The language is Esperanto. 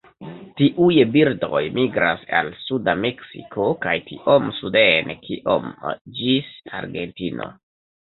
Tiuj birdoj migras al suda Meksiko kaj tiom suden kiom ĝis Argentino.